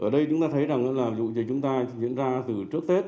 ở đây chúng ta thấy rằng là dụ dịch chúng ta diễn ra từ trước tết